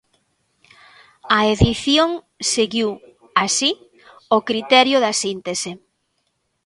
A edición seguiu, así, o criterio da síntese.